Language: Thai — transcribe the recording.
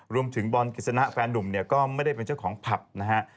รวมถึงบอลกิจสนะแฟนนุ่มเนี่ยก็ไม่ได้เป็นเจ้าของผับนะฮะ